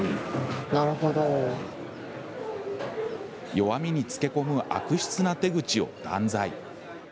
弱みにつけ込む悪質な手口を断罪。